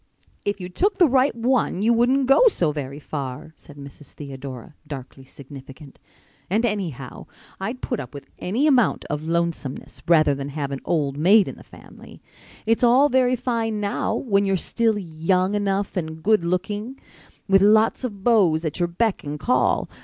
"If you took the right one you wouldn't go so very far," said Mrs. Theodora, darkly significant. "And, anyhow, I'd put up with any amount of lonesomeness rather than have an old maid in the family. It's all very fine now, when you're still young enough and good looking, with lots of beaus at your beck and call.